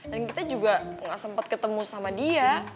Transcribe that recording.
dan kita juga nggak sempet ketemu sama dia